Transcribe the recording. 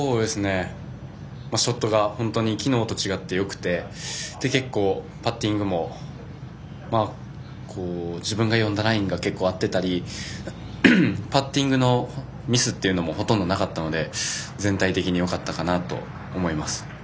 ショットが本当に昨日と違ってよくて結構、パッティングも自分が読んだラインが結構合っていたりパッティングのミスっていうのもほとんどなかったので全体的によかったかなと思います。